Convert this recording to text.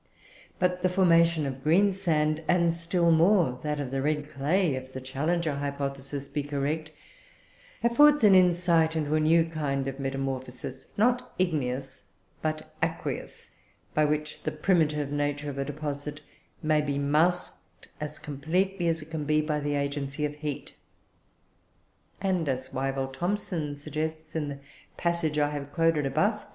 But the formation of greensand, and still more that of the "red clay" (if the Challenger hypothesis be correct) affords an insight into a new kind of metamorphosis not igneous, but aqueous by which the primitive nature of a deposit may be masked as completely as it can be by the agency of heat. And, as Wyville Thomson suggests, in the passage I have quoted above (p.